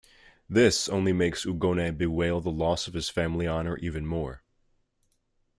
This only makes Ugone bewail the loss of his family honour even more.